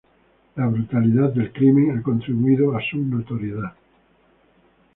La brutalidad del crimen ha contribuido a su notoriedad.